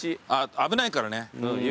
危ないからね。